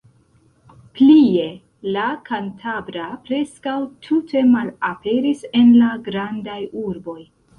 Plie, la kantabra preskaŭ tute malaperis en la grandaj urboj.